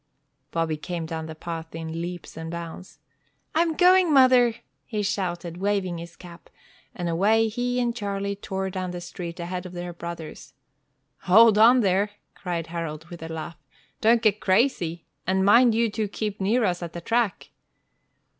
Bobby came down the path in leaps and bounds. "I'm going, mother!" he shouted, waving his cap. And away he and Charlie tore down the street ahead of their brothers. "Hold on, there!" cried Harold, with a laugh. "Don't get crazy! And mind you two keep near us at the track!"